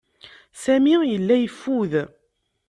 Sami yella yeffud.